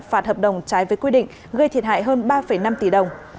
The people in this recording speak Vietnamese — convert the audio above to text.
phạt hợp đồng trái với quy định gây thiệt hại hơn ba năm tỷ đồng